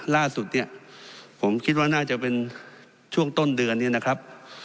ล่าสุดเนี่ยผมคิดว่าน่าจะเป็นช่วงต้นเดือนนี้นะครับ